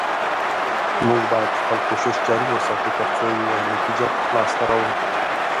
موږ باید خپل کوشش جاري وساتو، تر څو یوه نتیجه لاسته راوړو